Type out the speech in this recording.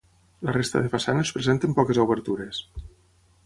La resta de façanes presenten poques obertures.